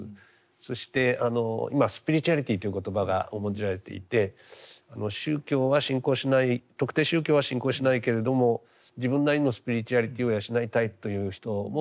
そして今スピリチュアリティという言葉が重んじられていて宗教は信仰しない特定宗教は信仰しないけれども自分なりのスピリチュアリティを養いたいという人も多数いるんですがね。